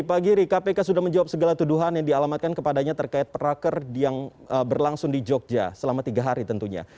pak giri kpk sudah menjawab segala tuduhan yang dialamatkan kepadanya terkait perakar yang berlangsung di jogja selama tiga hari tentunya